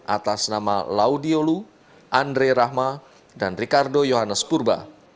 atas nama laudio lu andri rahma dan ricardo yohannes purba